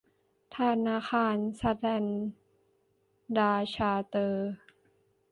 ธนาคารสแตนดาร์ดชาร์เตอร์ด